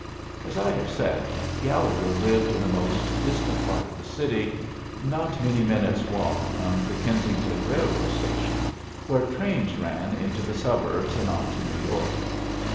As I have said, Gallegher lived in the most distant part of the city, not many minutes' walk from the Kensington railroad station, where trains ran into the suburbs and on to New York.